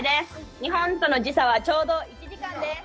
日本との時差はちょうど１時間です。